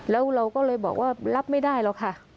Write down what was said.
แล้วเราก็เลยบอกว่ารับไม่ได้หรอกค่ะ